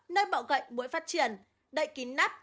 nơi bỏ gậy mũi phát triển đậy kín nắp